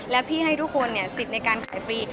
แล้วพี่ให้ทุกคนสิทธิ์ในการขายฟรี